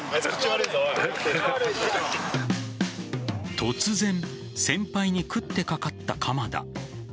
突然先輩に食ってかかった鎌田。